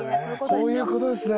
こういうことですね。